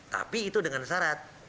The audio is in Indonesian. tapi itu dengan syarat